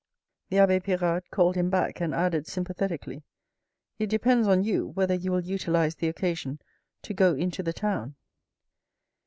The abbe Pirard called him back and added sympathetically. " It depends on you whether you will utilise the occasion to go into the town."